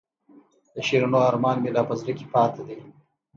د شیرینو ارمان مې لا په زړه کې پاتې دی.